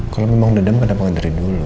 kalau memang dedam kenapa gak dari dulu